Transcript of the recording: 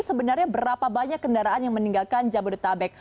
sebenarnya berapa banyak kendaraan yang meninggalkan jabodetabek